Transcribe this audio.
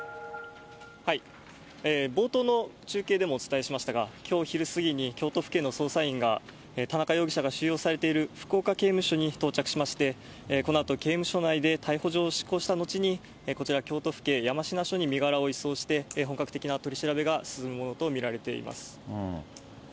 冒頭の中継でもお伝えしましたが、きょう昼過ぎに、京都府警の捜査員が、田中容疑者が収容されている福岡刑務所に到着しまして、このあと刑務所内で逮捕状を執行した後に、こちら京都府警山科署に身柄を移送して、本格的な取り調べが進むものと見られています。